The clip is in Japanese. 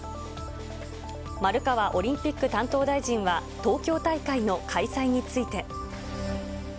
丸川オリンピック担当大臣は、東京大会の開催について。